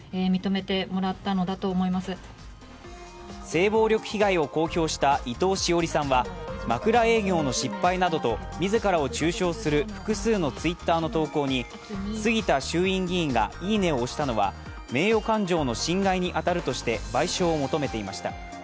性暴力被害を公表した伊藤詩織さんは枕営業の失敗などと自らを中傷する複数のＴｗｉｔｔｅｒの投稿に杉田衆院議員がいいねを押したのは名誉感情の侵害に当たるとして賠償を求めていました。